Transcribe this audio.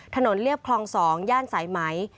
ถนนเลี่ยบคลอง๒จนนาตรีย่านสายไหม